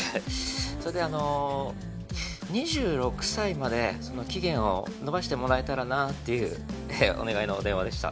それであの２６歳までその期限を延ばしてもらえたらなっていうお願いの電話でした。